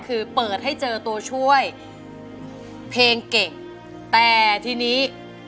คือเปิดให้เจอตัวช่วยเพลงเก่งแต่ทีนี้